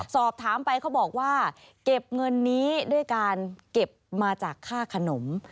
สอบถามไปเขาบอกว่าเก็บเงินนี้ด้วยการเก็บมาจากค่าขนม